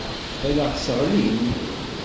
Ad aɣ-sseɣlin.